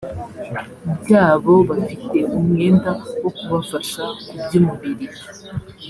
byabo bafite umwenda wo kubafasha ku by umubiri